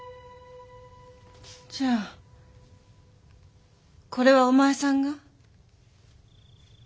じゃあこれはお前さんが？